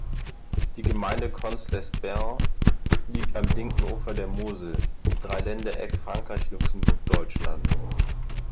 Die Gemeinde Contz-les-Bains liegt am linken Ufer der Mosel im Dreiländereck Frankreich-Luxemburg-Deutschland.